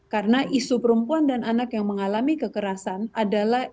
karena isu perempuan dan anak yang mengalami kekerasan adalah